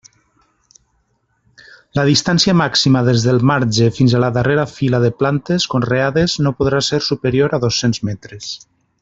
La distància màxima des del marge fins a la darrera fila de plantes conreades no podrà ser superior a dos-cents metres.